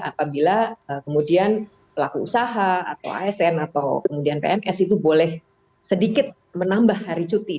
apabila kemudian pelaku usaha atau asn atau kemudian pms itu boleh sedikit menambah hari cuti